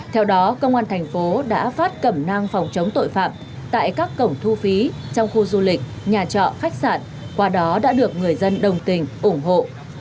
theo đó công an thành phố đã phát cẩm năng phòng chống tội phạm tại các cổng thu phí trong khu du lịch nhà trọ khách sạn qua đó đã được người dân đồng tình ủng hộ